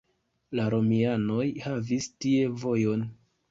La romianoj havis tie vojon.